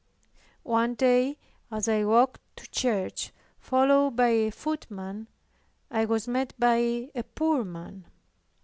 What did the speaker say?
One day as I walked to church, followed by a footman I was met by a poor man.